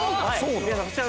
皆さん